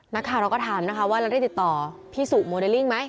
นักข่าวเราก็ถามนะคะว่าเราได้ติดต่อพี่สุโมเดลลิ่งไหม